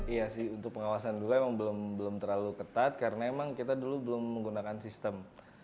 iya sih untuk pengawasan dulu emang belum terlalu ketat karena emang kita dulu belum menggunakan sistem